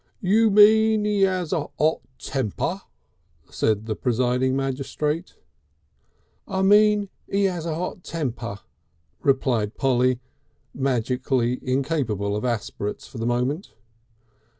"You mean 'E 'As a 'Ot temper," said the presiding magistrate. "I mean 'E 'As a 'Ot temper," replied Polly, magically incapable of aspirates for the moment.